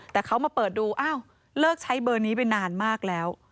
แต่เขามาเปิดดูอ้าวเลิกใช้เบอร์นี้ไปนานมากแล้ว